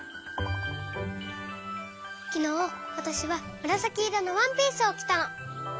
きのうわたしはむらさきいろのワンピースをきたの。